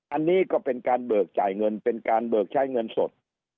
อันนี้ก็เป็นการเบิกจ่ายเงินเป็นการเบิกใช้เงินสด